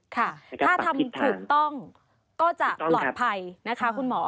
ค่ะถ้าทำถูกต้องก็จะปลอดภัยนะคะคุณหมอ